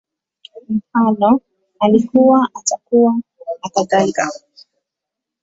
Mfano, Alikuwa, Atakuwa, nakadhalika